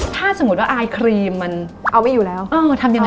ถ้าสมมุติว่าไอครีมมันเอาไม่อยู่แล้วเออทำยังไง